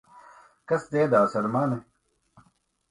Kas dziedās ar mani?